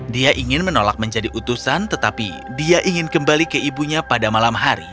dia ingin menolak menjadi utusan tetapi dia ingin kembali ke ibunya pada malam hari